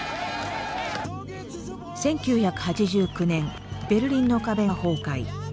１９８９年ベルリンの壁が崩壊。